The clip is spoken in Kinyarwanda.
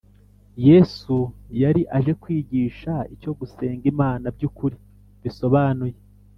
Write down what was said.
. Yesu yari aje kwigisha icyo gusenga Imana by’ukuri bisobanuye